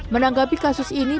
menanggapi kasus ini